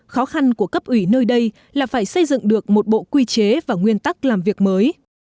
khó khăn của cấp ủy nơi đây là phải xây dựng được một bộ quy chế và nguyên tắc làm việc mới